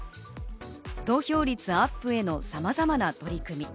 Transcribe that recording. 投票率アップへのさまざまな取り組み。